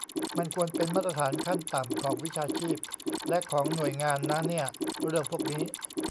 มันควรเป็นมาตรฐานขั้นต่ำของวิชาชีพและของหน่วยงานนะเนี่ย เรื่องพวกนี้